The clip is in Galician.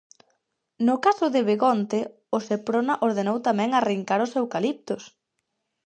No caso de Begonte, o Seprona ordenou tamén arrincar os eucaliptos.